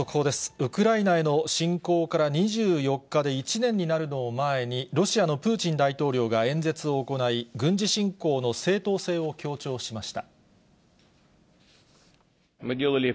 ウクライナへの侵攻から２４日で１年になるのを前に、ロシアのプーチン大統領が演説を行い、軍事侵攻の正当性を強調しました。